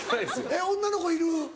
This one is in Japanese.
えっ女の子いる。